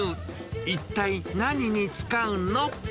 一体何に使うの？